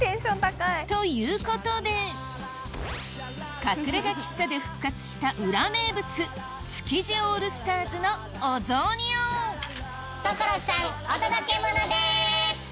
ということで隠れ家喫茶で復活した裏名物築地オールスターズのお雑煮を所さんお届けモノです！